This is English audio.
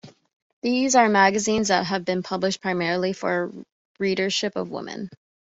These are magazines that have been published primarily for a readership of women.